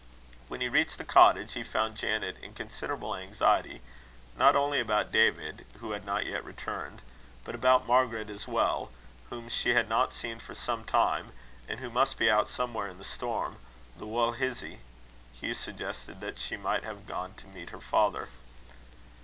When he reached the cottage, he found Janet in considerable anxiety, not only about David, who had not yet returned, but about Margaret as well, whom she had not seen for some time, and who must be out somewhere in the storm "the wull hizzie." Hugh suggested that she might have gone to meet her father.